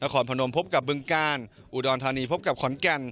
คอนพนมพบกับบึงกาลอุดรธานีพบกับขอนแก่น